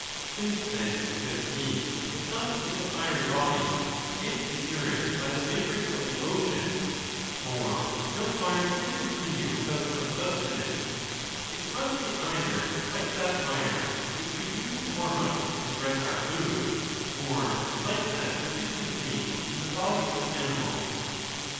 Since, then, says he, the sun is a fiery body, and is nourished by the vapors of the ocean (for no fire can continue without some sustenance), it must be either like that fire which we use to warm us and dress our food, or like that which is contained in the bodies of animals.